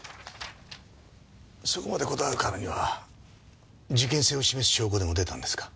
そこまでこだわるからには事件性を示す証拠でも出たんですか？